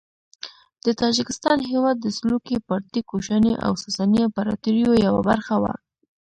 د تاجکستان هیواد د سلوکي، پارتي، کوشاني او ساساني امپراطوریو یوه برخه وه.